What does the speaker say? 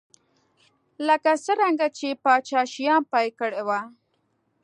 لکه څرنګه چې پاچا شیام پیل کړی و.